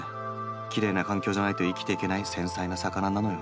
きれいな環境じゃないと生きていけない繊細な魚なのよ。